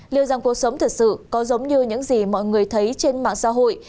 liệu rằng cuộc sống thực sự có giống như những gì mọi người thấy trên mạng xã hội